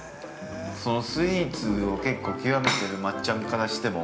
◆そのスイーツを結構きわめてる松ちゃんからしても？